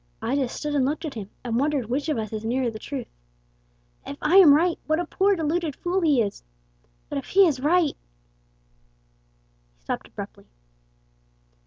I just stood and looked at him, and wondered which of us is nearer the truth. If I am right, what a poor, deluded fool he is! But if he is right, good God " He stopped abruptly.